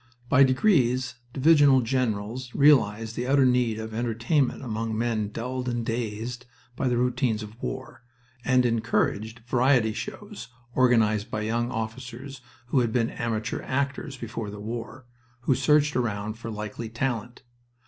By degrees divisional generals realized the utter need of entertainment among men dulled and dazed by the routine of war, and encouraged "variety" shows, organized by young officers who had been amateur actors before the war, who searched around for likely talent.